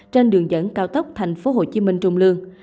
trên đường dẫn cao tốc tp hcm trùng lương